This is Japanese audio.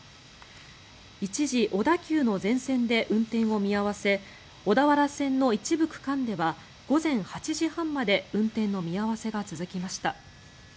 一時、小田急の全線で運転を見合わせ小田原線の一部区間では午前８時半まで運転の見合わせが続きました。